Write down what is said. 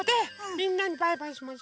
みんなにバイバイしましょ。